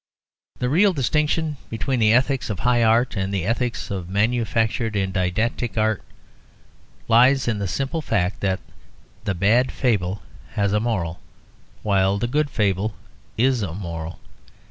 The real distinction between the ethics of high art and the ethics of manufactured and didactic art lies in the simple fact that the bad fable has a moral, while the good fable is a moral.